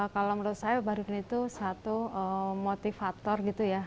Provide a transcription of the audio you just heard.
kalau menurut saya barudin itu satu motivator gitu ya